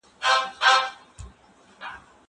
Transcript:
زه به درسونه لوستي وي!؟